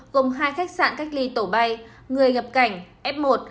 gồm hai khách sạn cách ly tổ bay người nhập cảnh f một